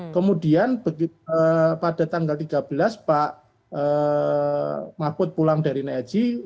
kemudian pada tanggal tiga belas pak mahfud pulang dari neji